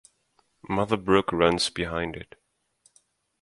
Mother Brook runs behind it.